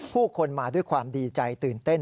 ผู้คนมาด้วยความดีใจตื่นเต้น